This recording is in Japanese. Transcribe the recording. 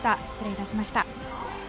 失礼致しました。